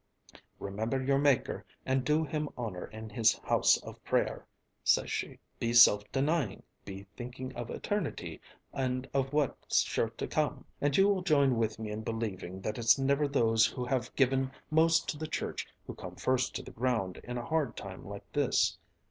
'Remember your Maker and do Him honor in His house of prayer,' says she. 'Be self denying, be thinking of eternity and of what's sure to come!' And you will join with me in believing that it's never those who have given most to the church who come first to the ground in a hard time like this.